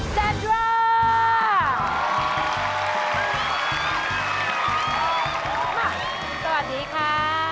สวัสดีค่ะ